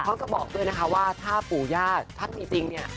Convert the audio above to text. บอกด้วยนะคะว่าถ้าปู่ย่าท่านมีจริงเนี่ย